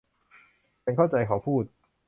ฉันเข้าใจ เขาพูด